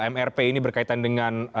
mrp ini berkaitan dengan